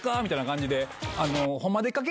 みたいな感じで。